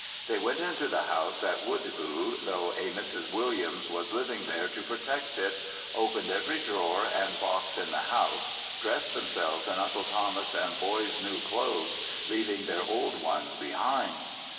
They went into the house at Woodboo, though a Mrs. Williams was living there to protect it, opened every drawer and box in the house; dressed themselves in Uncle Thomas's and the boys' new clothes, leaving their old ones behind.